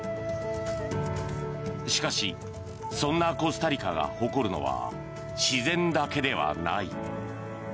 しかし、そんなコスタリカが誇るのは、自然だけではない。